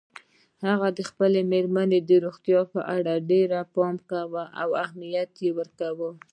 هغه د خپلې میرمن د روغتیا لپاره ډېره پاملرنه کوي او اهمیت ورکوي